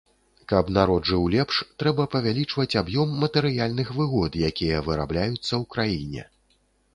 Каб народ жыў лепш, трэба павялічваць аб'ём матэрыяльных выгод, якія вырабляюцца ў краіне.